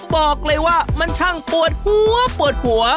บอกเลยว่ามันช่างปวดหัวปวดหัว